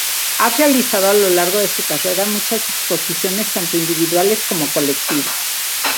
Ha realizado a lo largo de su carrera muchas exposiciones tanto individuales como colectivas.